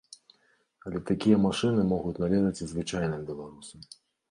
Але такія машыны могуць належаць і звычайным беларусам.